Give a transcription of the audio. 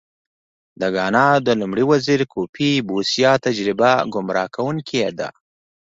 د ګانا د لومړي وزیر کوفي بوسیا تجربه ګمراه کوونکې ده.